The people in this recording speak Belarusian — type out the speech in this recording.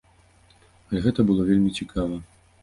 Але гэта было вельмі цікава.